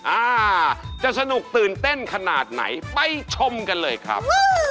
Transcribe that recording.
อ่าจะสนุกตื่นเต้นขนาดไหนไปชมกันเลยครับ